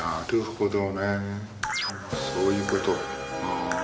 そういうことふん。